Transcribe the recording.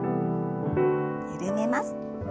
緩めます。